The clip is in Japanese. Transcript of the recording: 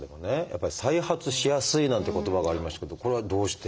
やっぱり「再発しやすい」なんて言葉がありましたけどこれはどうして？